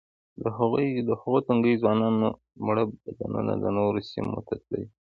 د هغو تنکیو ځوانانو مړه بدنونه د نورو سیمو ته تللي.